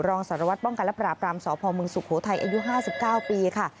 รองสารวัตรป้องกันและปราบรามสพเมืองสุโขทัยอายุ๕๙ปีค่ะ